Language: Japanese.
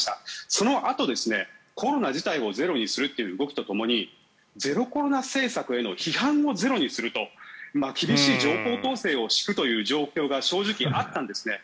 そのあと、コロナ自体をゼロにするという動きとともにゼロコロナ政策への批判もゼロにすると厳しい情報統制を敷くという状況が正直、あったんですね。